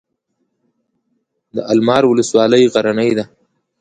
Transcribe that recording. د المار ولسوالۍ غرنۍ ده